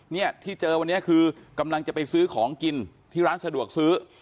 เนี่ยที่เจอวันนี้คือกำลังจะไปซื้อของกินที่ร้านสะดวกซื้อ